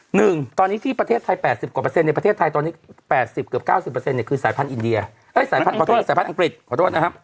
หนึ่งตอนนี้ที่ประเทศไทย๘๐กว่าเปอร์เซ็นต์ในประเทศไทยตอนนี้๘๐เกือบ๙๐เปอร์เซ็นต์เนี่ยคือสายพันธุ์อังกฤษ